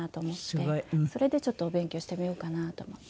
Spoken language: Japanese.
それでちょっとお勉強してみようかなと思って。